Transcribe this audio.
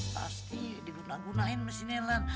pasti diguna gunain mesin nelan